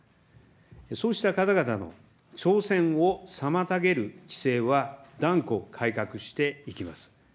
そうした方々の挑戦を妨げる規制は、断固改革していきます。